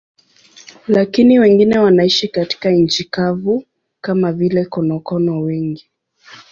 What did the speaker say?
Lakini wengine wanaishi katika nchi kavu, kama vile konokono wengi.